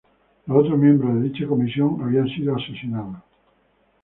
Los otros miembros de dicha comisión habían sido asesinados.